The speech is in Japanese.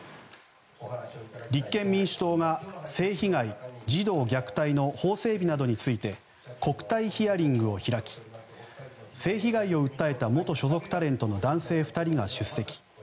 立憲民主党が性被害・児童虐待の法整備などについて国対ヒアリングを開き性被害を訴えた元所属タレントの男性２人が出席。